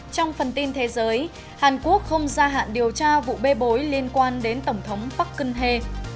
trong phần tin thế giới hàn quốc không gia hạn điều tra vụ bê bối liên quan đến tổng thống park geun hye